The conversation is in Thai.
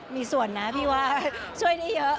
มีส่วนนะพี่ว่าช่วยได้เยอะ